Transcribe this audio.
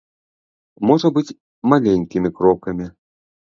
Можа быць маленькімі крокамі.